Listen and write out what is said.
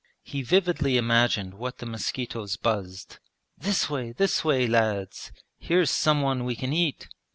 He vividly imagined what the mosquitoes buzzed: 'This way, this way, lads! Here's some one we can eat!'